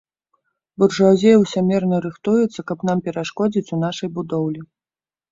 Буржуазія ўсямерна рыхтуецца, каб нам перашкодзіць у нашай будоўлі.